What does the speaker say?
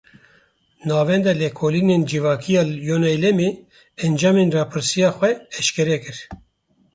Navenda Lêkolînên Civakî ya Yoneylemê encamên rapirsiya xwe eşkere kir.